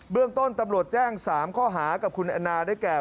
เรื่องต้นตำรวจแจ้ง๓ข้อหากับคุณแอนนาได้แก่